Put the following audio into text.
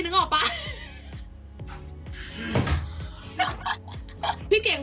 หนูก็ตามจากพี่เก่งไง